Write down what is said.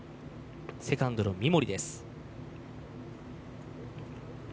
セカンドの三森。